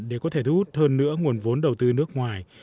để có thể thu hút hơn nữa nguồn vốn đầu tư nước ngoài